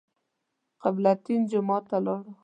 قبله تین جومات ته لاړو.